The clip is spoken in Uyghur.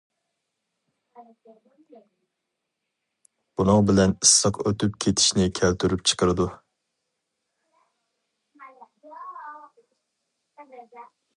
بۇنىڭ بىلەن ئىسسىق ئۆتۈپ كېتىشنى كەلتۈرۈپ چىقىرىدۇ.